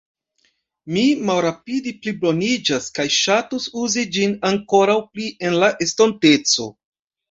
Mi malrapide pliboniĝas kaj ŝatus uzi ĝin ankoraŭ pli en la estonteco.